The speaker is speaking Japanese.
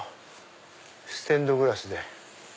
ステンドグラスで。